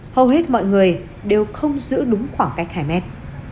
hầu hết mọi người đều không giữ đúng khoảng cách hai mét